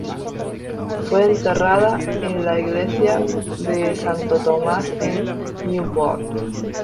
Fue enterrada en la Iglesia de Santo Tomás en Newport.